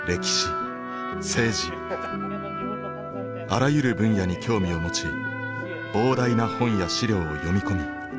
あらゆる分野に興味を持ち膨大な本や資料を読み込み